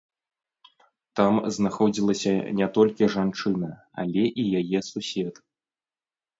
Там знаходзілася не толькі жанчына, але і яе сусед.